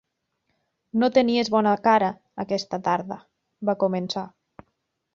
No tenies bona cara aquesta tarda, va començar.